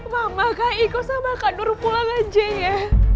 mama kak iko sama kak nur pulang aja ya